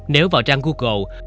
nếu vào trang google